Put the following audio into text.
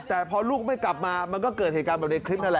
แต่พอลูกไม่กลับมามันก็เกิดเหตุการณ์แบบในคลิปนั่นแหละ